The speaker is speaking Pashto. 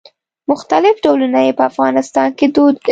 مختلف ډولونه یې په افغانستان کې دود دي.